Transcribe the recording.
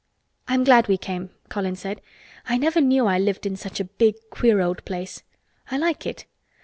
"I'm glad we came," Colin said. "I never knew I lived in such a big queer old place. I like it.